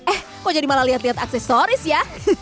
eh kok jadi malah lihat lihat aksesoris ya